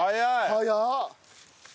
早っ。